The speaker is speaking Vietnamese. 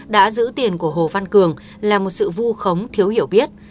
đã giữ tiền của hồ văn cường là một sự vu khống thiếu hiểu biết